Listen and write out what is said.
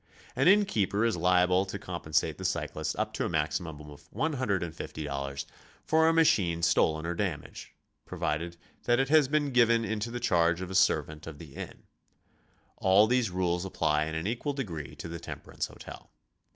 An inn keeper is liable to compensate the cyclisit up to a maximum of $150 for a machine stolen or damaged, pro vided that it 'has been given into the charge of a servant of the inn. All these rules apply in an equal degree to the tem perance hotel.